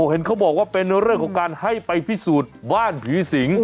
เห็นเขาบอกว่าเป็นเรื่องของการให้ไปพิสูจน์บ้านผีสิง